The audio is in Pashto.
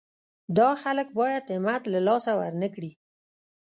دا خلک باید همت له لاسه ورنه کړي.